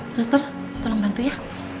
suster tolong bantu ya